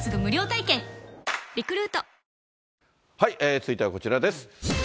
続いてはこちらです。